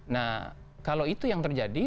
nah kalau itu yang terjadi